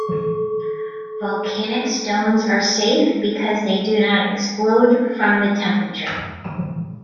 Volcanic stones are safe because they do not explode from the temperature.